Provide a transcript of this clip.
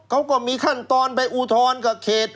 เขาก็มีขั้นตอนไปอุทธรณ์กับเขต